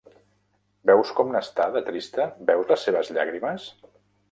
Veus com n'està, de trista, veus les seves llàgrimes?